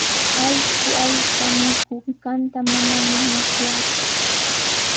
Allqu aycha mikunqanta manami musyaaku.